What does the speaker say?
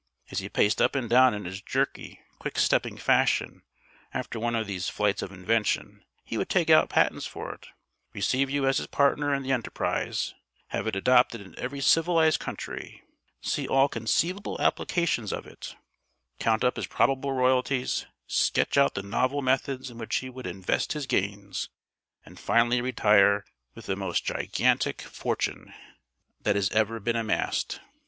As he paced up and down in his jerky quick stepping fashion after one of these flights of invention, he would take out patents for it, receive you as his partner in the enterprise, have it adopted in every civilised country, see all conceivable applications of it, count up his probable royalties, sketch out the novel methods in which he would invest his gains, and finally retire with the most gigantic fortune that has ever been amassed.